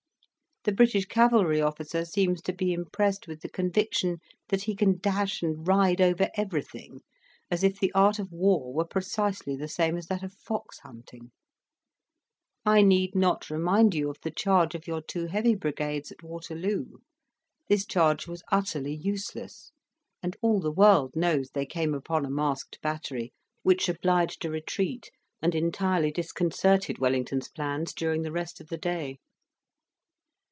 The British cavalry officer seems to be impressed with the conviction that he can dash and ride over everything; as if the art of war were precisely the same as that of fox hunting. I need not remind you of the charge of your two heavy brigades at Waterloo: this charge was utterly useless, and all the world knows they came upon a masked battery, which obliged a retreat, and entirely disconcerted Wellington's plans during the rest of the day."